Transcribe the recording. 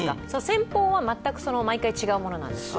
戦法は全く違うものなんですか？